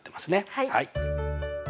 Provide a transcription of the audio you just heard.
はい。